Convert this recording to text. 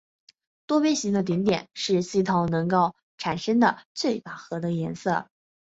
多边形的顶点是系统能够产生的最饱和的颜色。